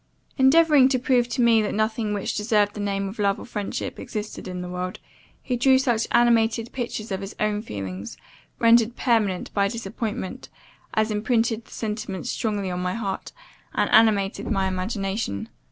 "Endeavouring to prove to me that nothing which deserved the name of love or friendship, existed in the world, he drew such animated pictures of his own feelings, rendered permanent by disappointment, as imprinted the sentiments strongly on my heart, and animated my imagination.